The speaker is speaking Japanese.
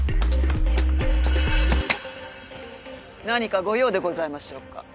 何かご用でございましょうか？